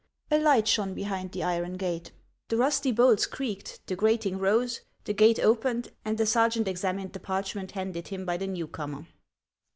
A light shone behind the iron gate. The rusty bolts creaked, the grating rose, the gate opened, and the ser geant examined a parchment handed him by the new comer.